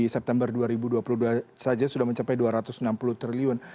september dua ribu dua puluh dua saja sudah mencapai dua ratus enam puluh triliun